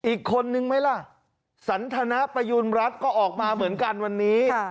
อีกคนนึงไหมล่ะสันธนประยุณรัฐก็ออกมาเหมือนกันวันนี้